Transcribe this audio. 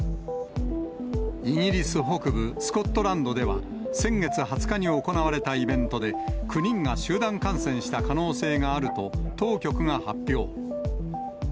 イギリス北部スコットランドでは、先月２０日に行われたイベントで、９人が集団感染した可能性があると、当局が発表。